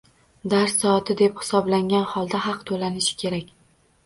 Dars soati deb hisoblangan holda haq toʻlanishi kerak.